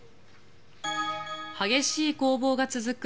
激しい攻防が続く